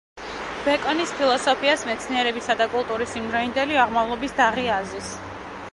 ბეკონის ფილოსოფიას მეცნიერებისა და კულტურის იმდროინდელი აღმავლობის დაღი აზის.